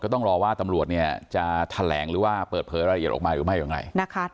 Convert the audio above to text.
ต้องรอว่าตำรวจเนี่ยจะแถลงหรือว่าเปิดเผยรายละเอียดออกมาหรือไม่อย่างไรนะคะ